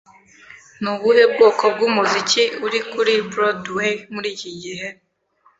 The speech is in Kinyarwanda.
Ni ubuhe bwoko bw'umuziki uri kuri Broadway muri iki gihe?